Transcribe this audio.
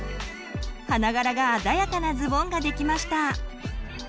花柄が鮮やかなズボンができました！